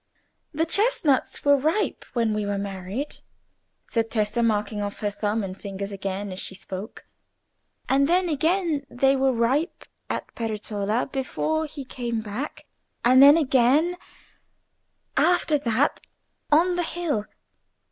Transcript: "The chestnuts were ripe when we were married," said Tessa, marking off her thumb and fingers again as she spoke; "and then again they were ripe at Peretola before he came back, and then again, after that, on the hill.